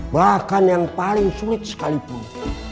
bahkan yang paling sulit sekalipun